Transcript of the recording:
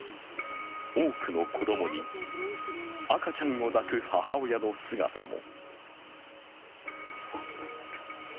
多くの子供に赤ちゃんを抱く母親の姿も。